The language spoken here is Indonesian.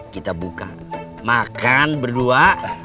kita buka makan berdua